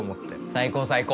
最高最高。